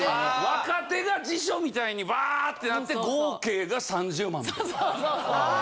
若手が辞書みたいにバーッてなって合計が３０万みたい。